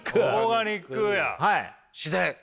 自然。